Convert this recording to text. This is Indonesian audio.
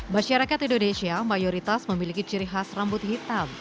masyarakat indonesia mayoritas memiliki ciri khas rambut hitam